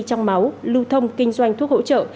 trong máu lưu thông kinh doanh thuốc hỗ trợ